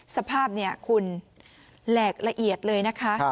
สภาพเนี่ยคุณแหลกละเอียดเลยนะคะ